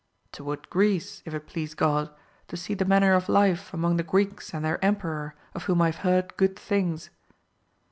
— ^Toward Greece if it please God, to see the manner of life among the Greeks and their emperor, of whom I have heard good things.